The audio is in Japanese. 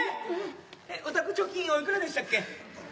おたく貯金おいくらでしたっけ？